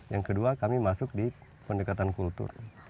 yang kedua kami masuk di pendekatan kultur